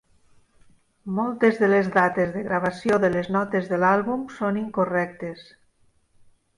Moltes de les dates de gravació de les notes de l'àlbum són incorrectes.